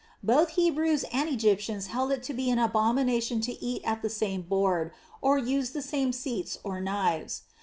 Both Hebrews and Egyptians held it to be an abomination to eat at the same board, or use the same seats or knives.